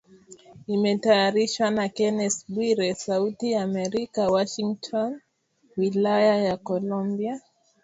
Imetayarishwa na Kennes Bwire, sauti ya america, Washington Wilaya ya Columbia